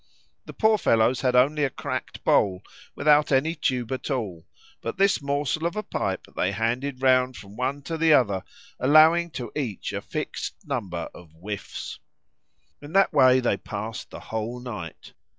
The poor fellows had only a cracked bowl, without any tube at all, but this morsel of a pipe they handed round from one to the other, allowing to each a fixed number of whiffs. In that way they passed the whole night.